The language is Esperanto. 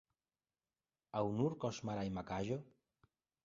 Aŭ nur koŝmara imagaĵo?